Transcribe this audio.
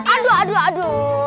aduh aduh aduh